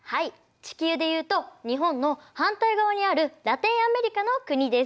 地球でいうと日本の反対側にあるラテンアメリカの国です。